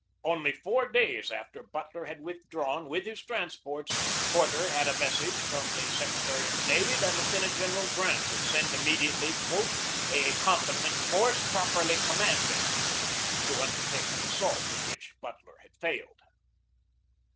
Only four days after Butler had withdrawn with his trans ports, Porter had a message from the secretary of the navy that Lieutenant General Grant would send immediately "a competent force, properly com manded," to undertake the assault in which Butler had failed.